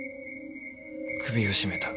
首を絞めた。